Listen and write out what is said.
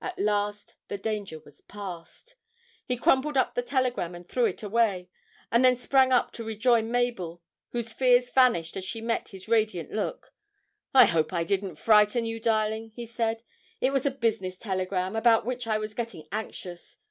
At last the danger was past! He crumpled up the telegram and threw it away, and then sprang up to rejoin Mabel, whose fears vanished as she met his radiant look. 'I hope I didn't frighten you, darling,' he said. 'It was a business telegram, about which I was getting anxious.